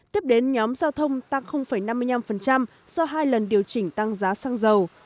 tiếp đến nhóm giao thông tăng năm mươi năm do hai lần điều chỉnh tăng giá xăng dầu